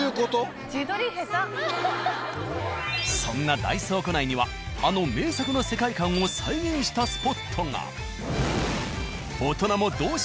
そんな大倉庫内にはあの名作の世界観を再現したスポットが。